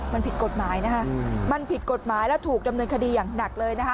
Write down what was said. มันผิดกฎหมายนะคะมันผิดกฎหมายและถูกดำเนินคดีอย่างหนักเลยนะคะ